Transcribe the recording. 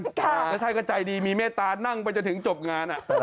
แล้วท่านก็ใจดีมีเมตตานั่งไปจนถึงจบงาน